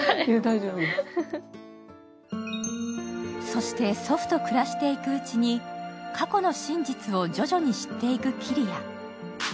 そして祖父と暮らしていくうちに過去の真実を徐々に知っていく桐矢。